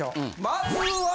まずは。